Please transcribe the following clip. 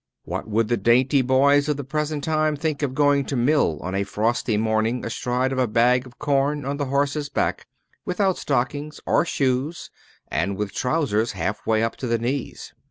What would the dainty boys of the present time think of going to mill on a frosty morning astride of a bag of corn on the horse's back, without stockings or shoes and with trousers half way up to the knees?